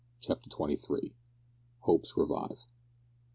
CHAPTER TWENTY THREE. HOPES REVIVE.